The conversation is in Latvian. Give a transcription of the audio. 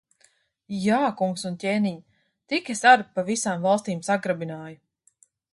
Jā, kungs un ķēniņ! Tik es ar pa visām valstīm sagrabināju.